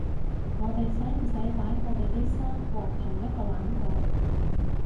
我哋使唔使擺我地啲衫落同一個籃度？